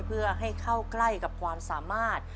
เพื่อให้เข้าใกล้กับความสามารถ